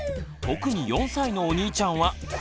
特に４歳のお兄ちゃんはこのとおり。